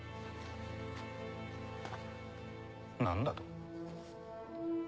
何だと？